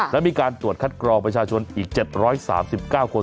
และมีการตรวจคัดกรองประชาชนอีก๗๓๙คน